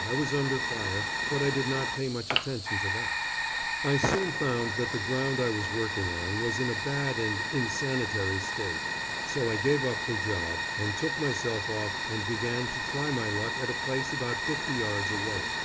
I was under fire, but I did not pay much attention to that. I soon found that the ground I was working on was in a bad and insanitary state, so I gave up the job, and took myself off and began to try my luck at a place about fifty yards away.